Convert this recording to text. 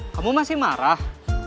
kamu masih marah